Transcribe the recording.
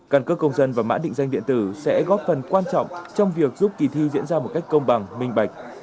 căn cước công dân và mã định danh điện tử sẽ góp phần quan trọng trong việc giúp kỳ thi diễn ra một cách công bằng minh bạch